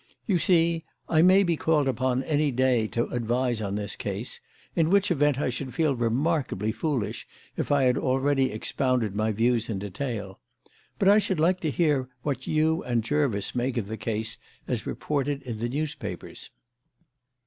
"You see, I may be called upon any day to advise on this case, in which event I should feel remarkably foolish if I had already expounded my views in detail. But I should like to hear what you and Jervis make of the case as reported in the newspapers."